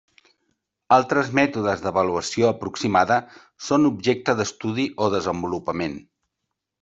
Altres mètodes d'avaluació aproximada són objecte d'estudi o desenvolupament.